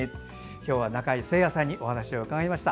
今日は中井精也さんにお話を伺いました。